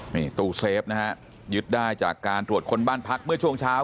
นี่ตู้เซฟนะฮะยึดได้จากการตรวจคนบ้านพักเมื่อช่วงเช้า